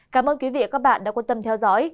cảm ơn quý vị và các bạn đã quan tâm theo dõi